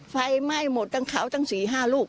ไฟไหม้หมดทั้งเขาทั้ง๔๕ลูก